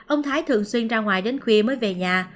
ông thái thường xuyên ra ngoài đến khuya mới về nhà